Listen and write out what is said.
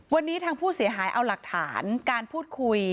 วันนี้ทางผู้เสียหายเอาหลักฐานการพูดคุย